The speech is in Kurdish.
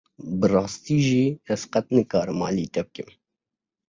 Bi rastî jî ez qet nikarim alî te bikim.